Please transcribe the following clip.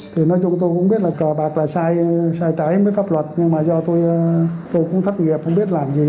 thì nói chung tôi cũng biết là cờ bạc là sai trái mới pháp luật nhưng mà do tôi cũng thất nghiệp không biết làm gì